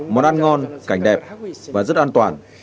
món ăn ngon cảnh đẹp và rất an toàn